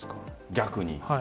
逆に。